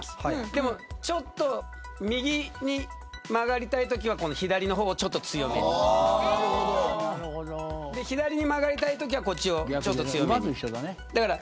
でもちょっと右に曲がりたいときは左の方をちょっと強めに左に曲がりたいときはこっちをちょっと強めに。